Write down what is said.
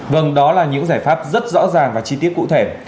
vâng đó là những giải pháp rất rõ ràng và chi tiết cụ thể